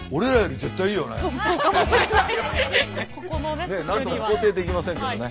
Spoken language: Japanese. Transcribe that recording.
ねっ何とも肯定できませんけどね。